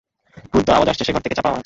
ক্রুদ্ধ আওয়াজ আসছে সে-ঘর থেকে চাপা আওয়াজ।